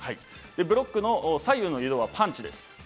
で、ブロックの左右はパンチです。